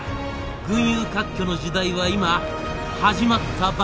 群雄割拠の時代は今始まったばかりだ